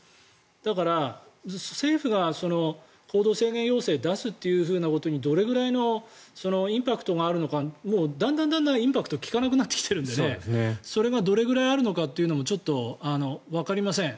だから、政府が行動制限要請を出すということにどれぐらいのインパクトがあるのかだんだんインパクト効かなくなってきてるのでそれがどれくらいあるのかっていうのもちょっとわかりません。